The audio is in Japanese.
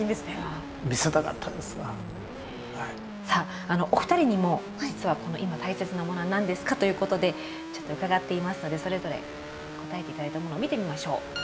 さあお二人にも実はこの「今たいせつなものは何ですか？」ということでちょっと伺っていますのでそれぞれ答えて頂いたものを見てみましょう。